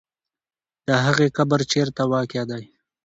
د هغې قبر چېرته واقع دی؟